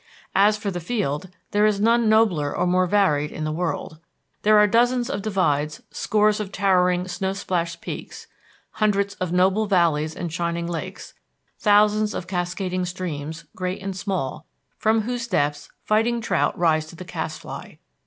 As for the field, there is none nobler or more varied in the world. There are dozens of divides, scores of towering, snow splashed peaks, hundreds of noble valleys and shining lakes, thousands of cascading streams, great and small, from whose depths fighting trout rise to the cast fly.